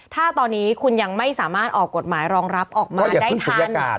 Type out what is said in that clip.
ถ้าตอนนี้คุณยังไม่สามารถออกกฎหมายรองรับออกมาได้ทัน